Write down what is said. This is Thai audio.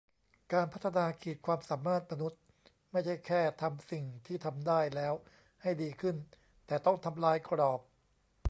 การพัฒนาขีดความสามารถมนุษย์ ไม่ใช่แค่ทำสิ่งที่ทำได้แล้วให้ดีขึ้น แต่ต้องทำลายกรอบ